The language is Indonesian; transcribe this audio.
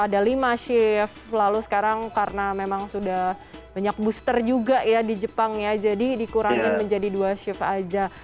kalau tahun ini kan ada lima shif lalu sekarang karena memang sudah banyak booster juga ya di jepang ya jadi dikurangin menjadi dua shif aja